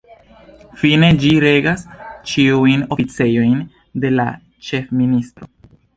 Fine, ĝi regas ĉiujn oficejojn de la ĉefministro.